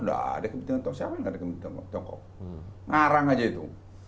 udah ada kepentingan tiongkok siapa nggak ada kepentingan tiongkok ngarang aja itu